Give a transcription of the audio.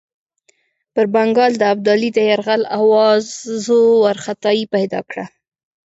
پر بنګال د ابدالي د یرغل آوازو وارخطایي پیدا کړه.